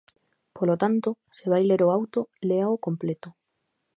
Polo tanto, se vai ler o auto, léao completo.